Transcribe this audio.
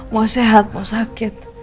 mau sehat mau sakit